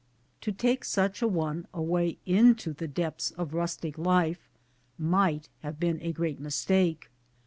To take such an one away into the depths of rustic life might have been a great mis take.